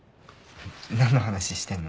何の話してんの？